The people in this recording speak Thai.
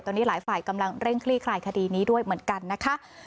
ตอนนี้หลายฝ่ายกำลังเร่งคลี่คลายคดีนี้ด้วยเหมือนกันนะคะ